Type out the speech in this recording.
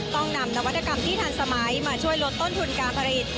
ต้องนำนวัตกรรมที่ทันสมัยมาช่วยลดต้นทุนการผลิต